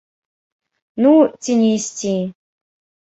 Ну, ці не ісці.